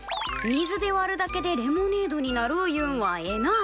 水で割るだけでレモネードになるいうんはええなあ。